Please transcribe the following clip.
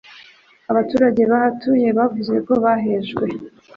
Abaturage bahatuye bavuga ko bahejwe